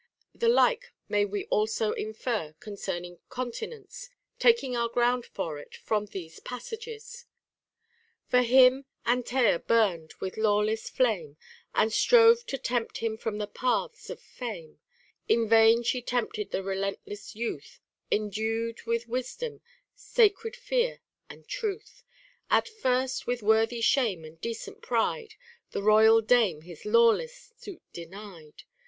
The like may we also infer concerning continence, taking our ground for it from these passages :— For him Antaea burn'd with lawless flame, And strove to tempt him from the paths of fame: In vain she tempted the relentless youth, Endued with wisdom , sacred tear, and truth : At first, with worthy shame and decent pride, The royal dame his lawless suit denied